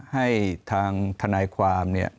ให้ทางทนายความ